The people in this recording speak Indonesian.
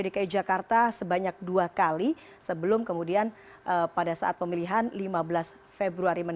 dan di dua puluh tahun